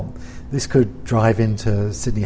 ini bisa menuju ke harbour sydney